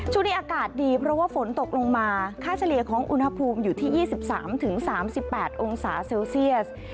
ช่วงนี้อากาศดีเพราะว่าฝนตกลงมาค่าเฉลี่ยของอุณหภูมิอยู่ที่๒๓๓๘องศาเซลเซียส